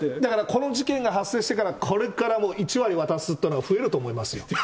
この事件が発生してから、これからもう、１割渡すっていうのが増えると思いますよ。